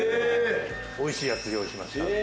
美味しいやつ用意しました。